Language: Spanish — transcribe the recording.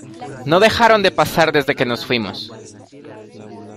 no dejaron de pasar desde que nos fuimos.